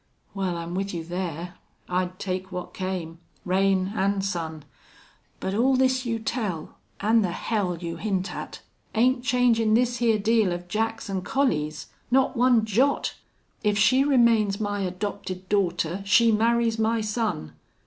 "Wal, I'm with you thar. I'd take what came. Rain an' sun!... But all this you tell, an' the hell you hint at, ain't changin' this hyar deal of Jack's an' Collie's. Not one jot!... If she remains my adopted daughter she marries my son....